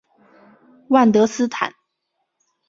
万德斯坦。